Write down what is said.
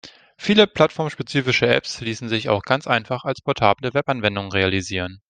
Viele plattformspezifische Apps ließen sich auch ganz einfach als portable Webanwendung realisieren.